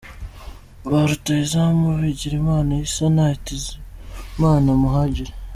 Ba Rutahizamu:Bigirimana Issa na Hakizimana Muhadjiri.